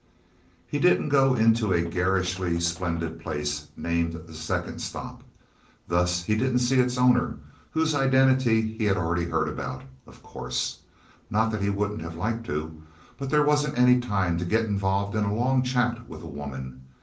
He didn't go into a garishly splendid place, named The Second Stop. Thus, he didn't see its owner, whose identity he had already heard about, of course. Not that he wouldn't have liked to. But there wasn't any time to get involved in a long chat with a woman...